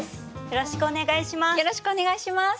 よろしくお願いします。